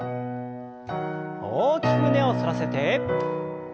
大きく胸を反らせて。